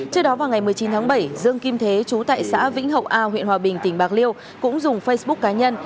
trước đó vào ngày một mươi chín tháng bảy dương kim thế chú tại xã vĩnh hậu a huyện hòa bình tỉnh bạc liêu cũng dùng facebook cá nhân